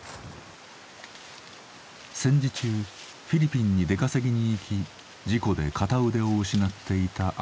戦時中フィリピンに出稼ぎに行き事故で片腕を失っていた兄。